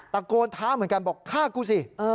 ตะโกนท้าเหมือนกันบอกฆ่ากูสิ